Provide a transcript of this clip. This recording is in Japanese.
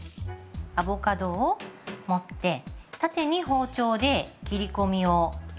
アボカドを持って縦に包丁で切り込みを入れます。